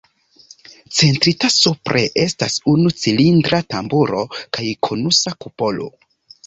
Centrita supre estas unu cilindra tamburo kaj konusa kupolo.